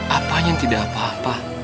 apanya tidak apa apa